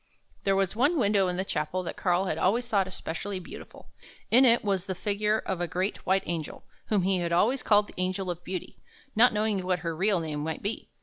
There was one window in the chapel that Karl had always thought especially beautiful. In it was the figure of a great white angel, whom he always called the Angel of Beauty, not knowing what her real name might be.